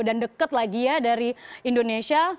dan dekat lagi ya dari indonesia